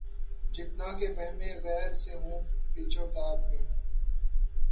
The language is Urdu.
جتنا کہ وہمِ غیر سے ہوں پیچ و تاب میں